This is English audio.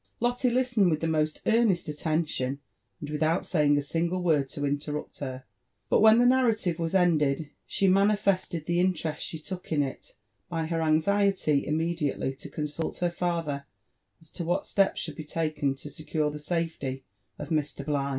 Lotte listened with the most earnest attention, and without saying a single word to interrupt her ; but when the narrative was ended, she manifested the interest she took in it, by her anxiety immediately to consult her father as to what steps should be teken to secure the safely ofMr. Bligh.